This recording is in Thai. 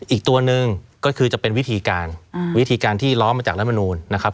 อีกตัวหนึ่งก็คือจะเป็นวิธีการวิธีการที่ล้อมมาจากรัฐมนูลนะครับ